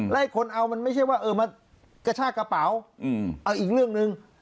และคนเอามันไม่ใช่ว่าเออมากระชากระเป๋าเอาอีกเรื่องหนึ่ง